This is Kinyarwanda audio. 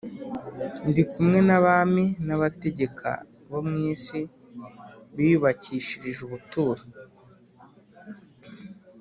ndi kumwe n’abami n’abategeka bo mu isi, biyubakishirije ubuturo